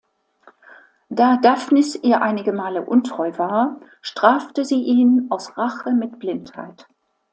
Da Daphnis ihr einige Male untreu war, strafte sie ihn aus Rache mit Blindheit.